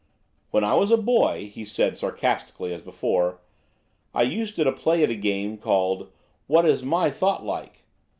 "When I was a boy," he said sarcastically as before, "I used to play at a game called 'what is my thought like?'